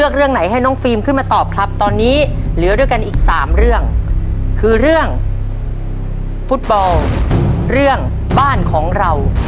ขอเดิมว่าไม่รู้เลยนะครับ